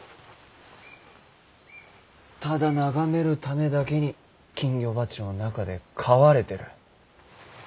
ただ眺めるためだけに金魚鉢の中で飼われてる。